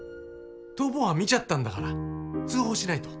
逃亡犯見ちゃったんだから通報しないと。